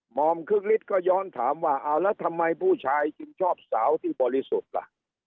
อมคึกฤทธิก็ย้อนถามว่าเอาแล้วทำไมผู้ชายจึงชอบสาวที่บริสุทธิ์ล่ะ